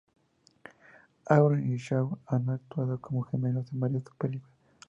Aaron y Shawn han actuado como gemelos en varias películas.